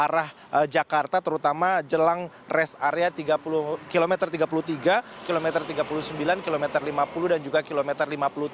arah jakarta terutama jelang rest area kilometer tiga puluh tiga kilometer tiga puluh sembilan kilometer lima puluh dan juga kilometer lima puluh tujuh